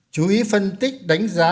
chú ý phân tích đánh giá